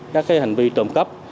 các hành vi trộm cấp